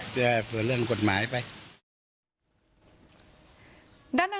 เพราะหรือเรืองกฎหมายไป